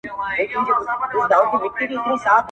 زه ولاړ وم!!